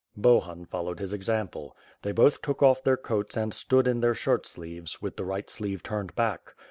Bohun followed his example. They both took off their coats and stood in their shirt sleeves, with the right sleeve turned back.